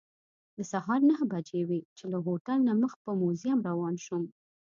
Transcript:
د سهار نهه بجې وې چې له هوټل نه مخ په موزیم روان شوم.